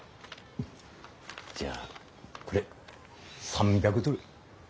じゃあこれ３００ドル。